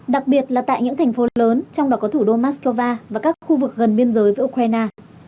đặc biệt là tại những thành phố lớn trong đó có thủ đô moscow và các khu vực gần biên giới với ukraine